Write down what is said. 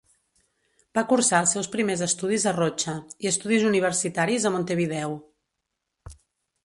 Va cursar els seus primers estudis a Rocha, i estudis universitaris a Montevideo.